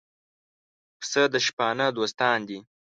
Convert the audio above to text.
پسه د شپانه دوستان دي.